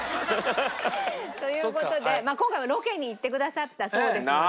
ハハハッ。という事で今回もロケに行ってくださったそうですので。